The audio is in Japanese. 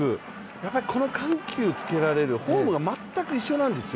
やっぱりこの緩急をつけられるフォームが全く一緒なんですよ。